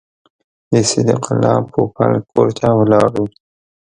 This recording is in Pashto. د صدیق الله پوپل کور ته ولاړو.